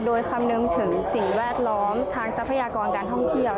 โดยคำนึงถึงสิ่งแวดล้อมทางทรัพยากรการท่องเที่ยว